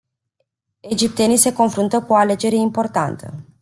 Egiptenii se confruntă cu o alegere importantă.